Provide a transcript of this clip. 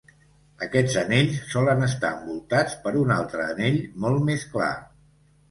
Aquests anells solen estar envoltats per un altre anell molt més clar.